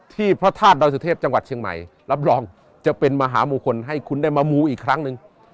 พระธาตุดอยสุเทพจังหวัดเชียงใหม่รับรองจะเป็นมหามงคลให้คุณได้มามูอีกครั้งหนึ่ง